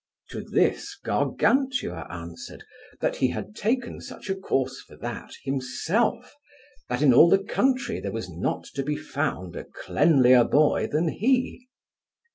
To this Gargantua answered, that he had taken such a course for that himself, that in all the country there was not to be found a cleanlier boy than he.